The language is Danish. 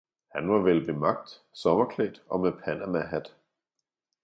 Han var vel ved magt, sommerklædt og med panamahat.